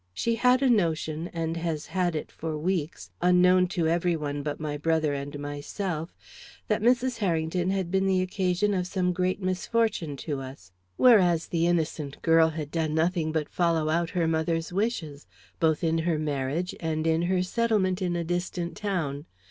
She had a notion, and has had it for weeks, unknown to every one but my brother and myself, that Mrs. Harrington had been the occasion of some great misfortune to us; whereas the innocent girl had done nothing but follow out her mother's wishes, both in her marriage and in her settlement in a distant town.